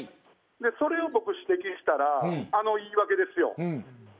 それを僕指摘したら、あの言い訳ですよ。